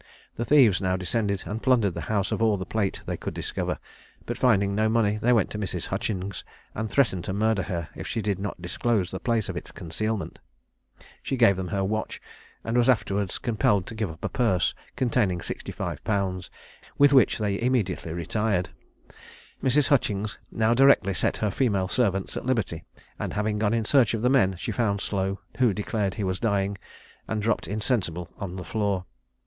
The thieves now descended and plundered the house of all the plate they could discover; but finding no money, they went to Mrs. Hutchings, and threatened to murder her if she did not disclose the place of its concealment. She gave them her watch, and was afterwards compelled to give up a purse containing 65_l._, with which they immediately retired. Mrs. Hutchings now directly set her female servants at liberty, and having gone in search of the men, she found Slow, who declared he was dying, and dropped insensible on the floor.